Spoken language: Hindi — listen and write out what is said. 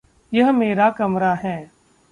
यह मेरा कमरा है।